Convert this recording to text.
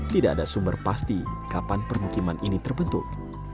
tidak ada sumber pasti kapan permukiman ini terbentuk